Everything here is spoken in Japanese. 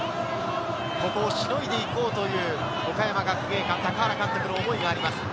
ここをしのいでいこうという岡山学芸館・高原監督の思いがあります。